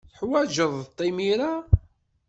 Teḥwajeḍ-t imir-a?